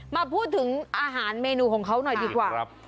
มาพูดถึงอาหารเมนูของเขาหน่อยดีกว่า